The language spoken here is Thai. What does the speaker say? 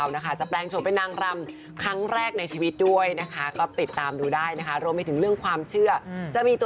สุดยอดเลยนะคะศักดิ์สิทธิ์มากนะพระพุทธ